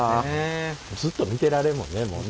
ずっと見てられるもんねもうね。